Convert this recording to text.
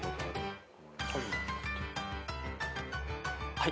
はい。